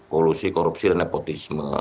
koalusi korupsi dan nepotisme